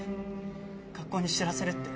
学校に知らせるって。